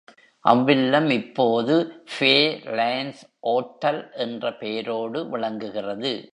அவ்வில்லம் இப்போது, Fair Lawns Hotel என்ற பெயரோடு விளங்குகிறது.